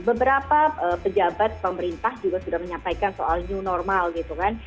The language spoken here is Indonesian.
beberapa pejabat pemerintah juga sudah menyampaikan soal new normal gitu kan